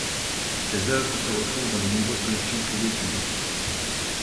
Ses œuvres se retrouvent dans de nombreuses collections privées et publiques.